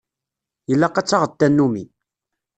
Ilaq ad taɣeḍ tanumi.